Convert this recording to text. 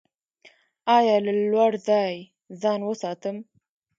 ایا له لوړ ځای ځان وساتم؟